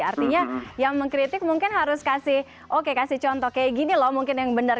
artinya yang mengkritik mungkin harus kasih oke kasih contoh kayak gini loh mungkin yang benar